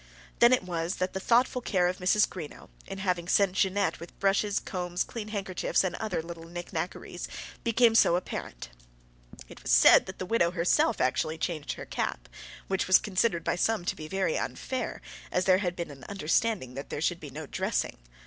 Then it was that the thoughtful care of Mrs. Greenow, in having sent Jeannette with brushes, combs, clean handkerchiefs, and other little knick knackeries, became so apparent. It was said that the widow herself actually changed her cap, which was considered by some to be very unfair, as there had been an understanding that there should be no dressing.